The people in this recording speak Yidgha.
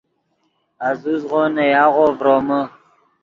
آزوزغو نے یاغو ڤرومے